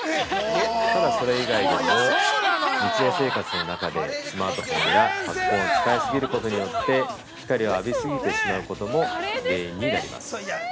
ただ、それ以外でも日常生活の中でスマートフォンやパソコンを使い過ぎることによって光を浴び過ぎてしまうことも原因になります。